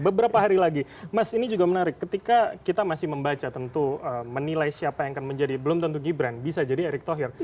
beberapa hari lagi mas ini juga menarik ketika kita masih membaca tentu menilai siapa yang akan menjadi belum tentu gibran bisa jadi erick thohir